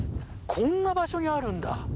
こんな場所にあるんだ。